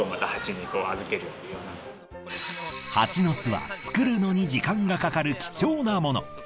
ハチの巣は作るのに時間がかかる貴重なもの。